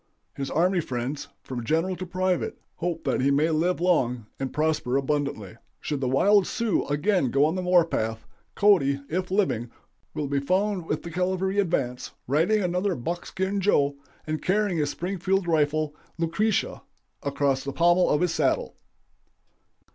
His army friends, from general to private, hope that he may live long and prosper abundantly. "Should the wild Sioux again go on the war path, Cody, if living, will be found with the cavalry advance, riding another 'Buckskin Joe,' and carrying his Springfield rifle, 'Lucretia,' across the pommel of his saddle."